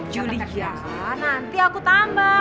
julia nanti aku tambah